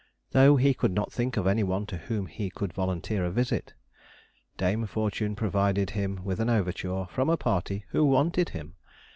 Though he could not think of any one to whom he could volunteer a visit. Dame Fortune provided him with an overture from a party who wanted him!